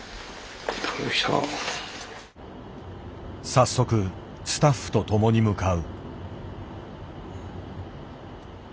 早速スタッフと共に向かう。